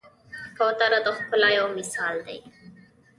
کوتره د ښکلا یو مثال دی.